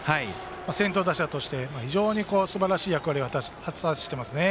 先頭打者として非常にすばらしい役割を果たしてますね。